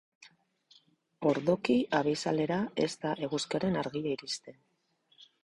Ordoki abisalera ez da eguzkiaren argia iristen.